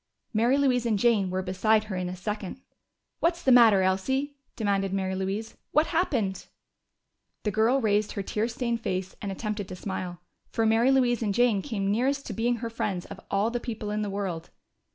Mary Louise and Jane were beside her in a second. "What's the matter, Elsie?" demanded Mary Louise. "What happened?" The girl raised her tear stained face and attempted to smile. For Mary Louise and Jane came nearest to being her friends of all the people in the world.